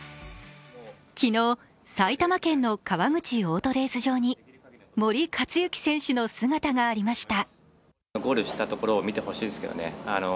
昨日、埼玉県の川口オートレース場に森且行選手の姿がありました。